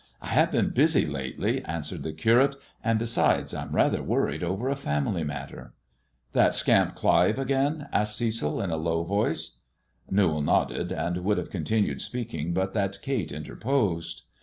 | "I have been busy to day," answered the Curate, "and, besides, Vm rather worried over a family matter." " That scamp Clive again 1 " asked Cecil in a low voice. Newall nodded, and would have continued speaking but that Kate interposed.